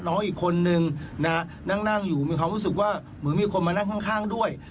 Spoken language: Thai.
น้องอีกคนนึงนะฮะนั่งอยู่มีความรู้สึกว่าเหมือนมีคนมานั่งข้างด้วย